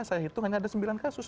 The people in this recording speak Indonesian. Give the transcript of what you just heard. saya hitung hanya ada sembilan kasus